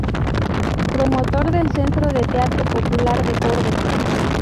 Promotor del Centro de Teatro Popular de Córdoba.